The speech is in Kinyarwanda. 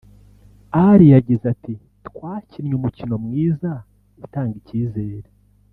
Ali yagize ati “ Twakinnye umukino mwiza utanga icyizere